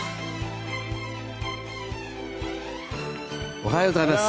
おはようございます。